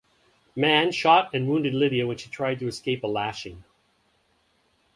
Mann shot and wounded Lydia when she tried to escape a lashing.